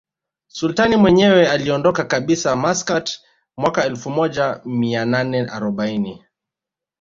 Sultani mwenyewe aliondoka kabisa Maskat mwaka elfu moja mia nane arobaini